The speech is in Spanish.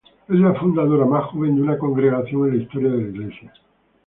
Es la fundadora más joven de una congregación en la historia de la Iglesia.